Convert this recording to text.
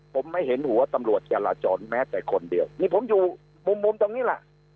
ผมไม่เห็นหัวตำรวจจราจรแม้แต่คนเดียวนี่ผมอยู่มุมมุมตรงนี้แหละ